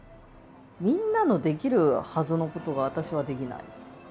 みんなのできるはずのことが私はできない。